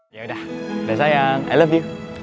yaudah udah sayang i love you